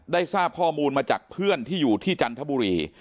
ทราบข้อมูลมาจากเพื่อนที่อยู่ที่จันทบุรี